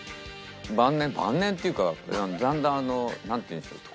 晩年晩年っていうかだんだんなんていうんでしょう。